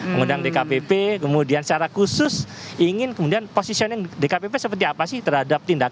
kemudian dkpp kemudian secara khusus ingin kemudian positioning dkpp seperti apa sih terhadap tindakan